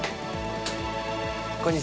こんにちは。